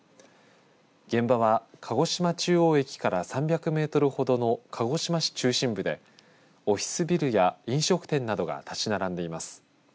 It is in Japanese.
現場は鹿児島中央駅から３００メートルほどの鹿児島市中心部でオフィスビルや飲食店などが立ち並んでいます。